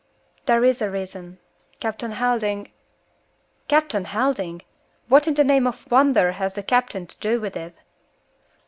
"There is a reason. Captain Helding " "Captain Helding! What in the name of wonder has the captain to do with it?"